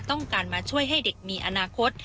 ต้องการมาช่วยให้เด็กมีอนาคต